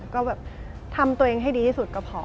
ก็แบบทำตัวเองให้ดีที่สุดก็พอ